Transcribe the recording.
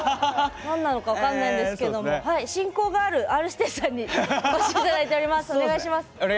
なんなのか分かりませんが親交があるＲ‐指定さんにお越しいただいております。